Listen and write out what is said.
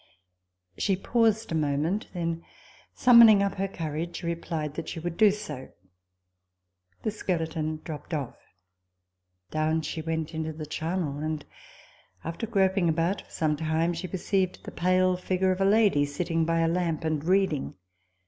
She paused a moment ; then summoning up her courage, she replied that she would do so. The skeleton dropped off. Down she went into the charnel ; and, after groping about for some time, she perceived the pale figure of a lady, sitting by a lamp and reading.